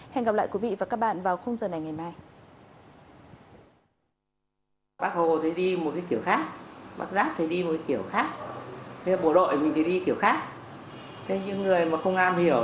hẹn gặp lại quý vị và các bạn vào khung giờ này ngày mai